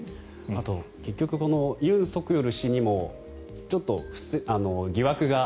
あと、結局ユン・ソクヨル氏にもちょっと疑惑が。